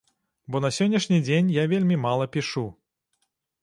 Бо на сённяшні дзень я вельмі мала пішу.